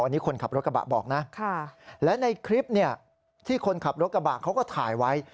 อันนี้คนขับรถกระบะบอกนะและในคลิปที่คนขับรถกระบะเขาก็ถ่ายไว้